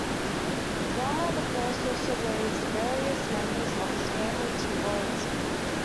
Rama the First also raised various members of his family to royalty.